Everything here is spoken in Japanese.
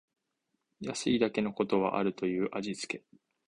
安いだけのことはあるという味つけ